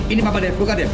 ini papa dev buka dev